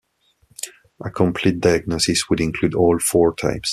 A complete diagnosis would include all four types.